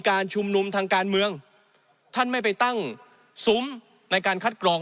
การชุมนุมทางการเมืองท่านไม่ไปตั้งซุ้มในการคัดกรอง